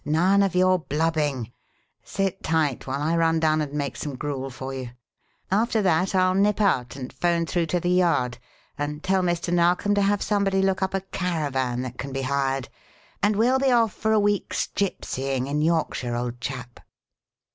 None of your blubbing! Sit tight while I run down and make some gruel for you. After that I'll nip out and 'phone through to the Yard and tell Mr. Narkom to have somebody look up a caravan that can be hired, and we'll be off for a week's 'gypsying' in Yorkshire, old chap."